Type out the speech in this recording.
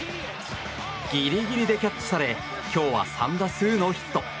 ギリギリでキャッチされ今日は３打数ノーヒット。